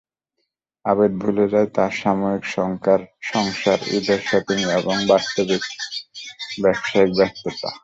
আবেদ ভুলে যায় তার সাময়িক সংসার, ঈদের শপিং এবং বাস্তবিক ব্যবসায়িক ব্যস্ততা।